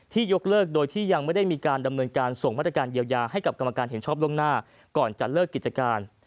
ยกเลิกโดยที่ยังไม่ได้มีการดำเนินการส่งมาตรการเยียวยาให้กับกรรมการเห็นชอบล่วงหน้าก่อนจะเลิกกิจการ